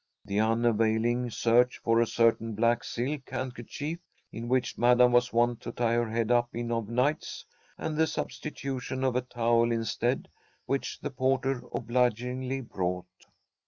The unavailing search for a certain black silk handkerchief in which madam was wont to tie her head up in of nights, and the substitution of a towel instead, which the porter obligingly brought.